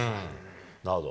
なるほど。